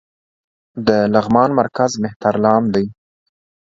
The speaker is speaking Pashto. د لغمان مرکز مهترلام دى